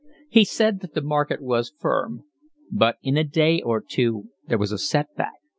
He said that the market was firm. But in a day or two there was a set back.